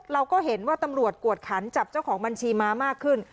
เราก็เห็นว่าตำรวจกวดขันจับเจ้าของบัญชีม้ามากขึ้น